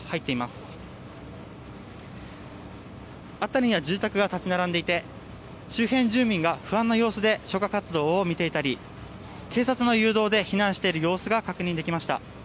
辺りには住宅が立ち並んでいて周辺住民が不安な様子で消火活動を見ていたり警察の誘導で避難している様子が確認できました。